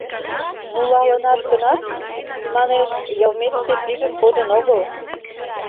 — Нулалынат гынат, манеш, йылметше пижын кодын огыл.